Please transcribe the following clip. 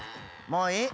もういい。